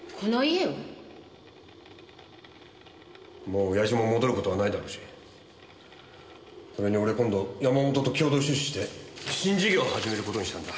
もう親父も戻る事はないだろうしそれに俺今度山本と共同出資して新事業始める事にしたんだ。